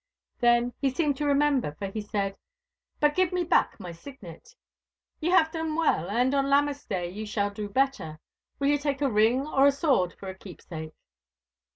Then he seemed to remember, for he said, 'But give me back my signet. Ye have done well, and on Lammas day ye shall do better. Will ye take a ring or a sword for a keepsake?